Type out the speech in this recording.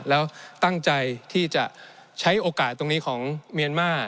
แล้วตั้งใจที่จะใช้โอกาสตรงนี้ของเมียนมาร์